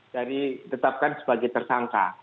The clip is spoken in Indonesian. jadi tetapkan sebagai tersangka